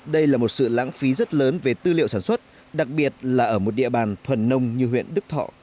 đây là một sự lãng phí rất lớn về tư liệu sản xuất đặc biệt là ở một địa bàn thuần nông như huyện đức thọ tỉnh hà tĩnh